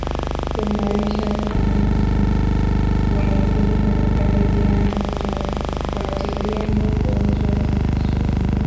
kuimarisha ufanisi wa juhudi za kukabiliana na kufuatilia magonjwa zinazobuniwa na Idara